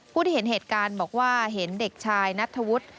ผู้ที่เห็นเหตุการณ์บอกว่าเห็นเด็กชายนัทธวุฒิ